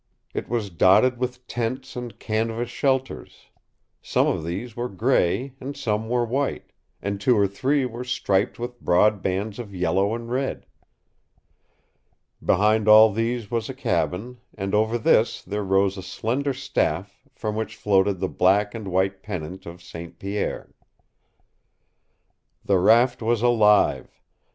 It was dotted with tents and canvas shelters. Some of these were gray, and some were white, and two or three were striped with broad bands of yellow and red. Behind all these was a cabin, and over this there rose a slender staff from which floated the black and white pennant of St. Pierre. The raft was alive.